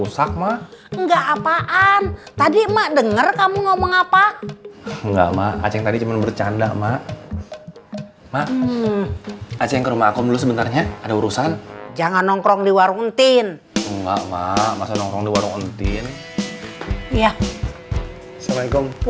sampai jumpa di video selanjutnya